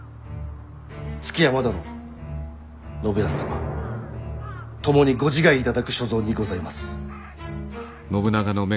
築山殿信康様ともにご自害いただく所存にございます。